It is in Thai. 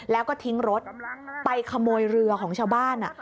แล้วก็ทิ้งรถไปขโมยเรือของชาวบ้าน